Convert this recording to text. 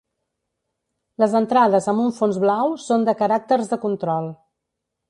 Les entrades amb un fons blau són de caràcters de control.